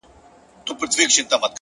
خپل سبا د نن په عمل جوړ کړئ!